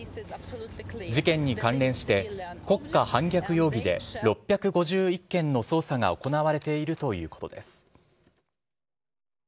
事件に関連して、国家反逆容疑で６５１件の捜査が行われているということです。